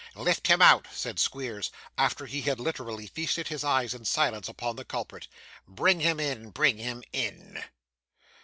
'Lift him out,' said Squeers, after he had literally feasted his eyes, in silence, upon the culprit. 'Bring him in; bring him in!